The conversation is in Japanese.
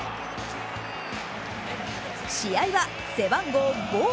試合は背番号ゴー。